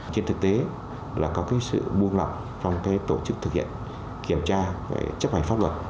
trên thực tế là có cái sự buông lỏng trong cái tổ chức thực hiện kiểm tra về chấp hành pháp luật